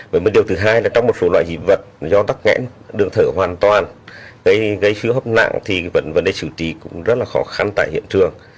và một điều thứ hai là trong một số loại dị vật do tắc nghẽn đường thở hoàn toàn gây sự hấp nặng thì vấn đề sự trí cũng rất là khó khăn tại hiện trường